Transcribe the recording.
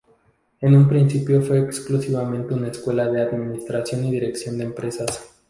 En un principio fue exclusivamente una escuela de Administración y Dirección de Empresas.